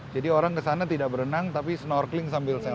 jadi orang kesana tidak berenang tapi snorkeling sambil selfie